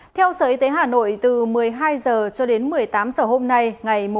theo sở y tế hà nội từ một mươi hai h cho đến một mươi tám h hôm nay ngày một tháng